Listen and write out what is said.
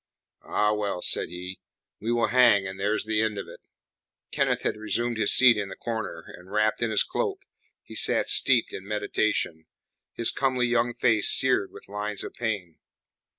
"Ah, well," said he, "we will hang, and there's the end of it." Kenneth had resumed his seat in the corner, and, wrapped in his cloak, he sat steeped in meditation, his comely young face seared with lines of pain.